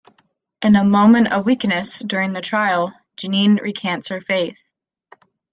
In a moment of weakness during the trial, Jeanne recants her faith.